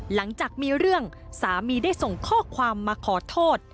หลังจากมีเรื่องสามีได้ส่งข้อความมาขอโทษ